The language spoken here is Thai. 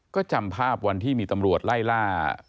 ก็จำภาพวันที่มีตำรวจไล่ล่า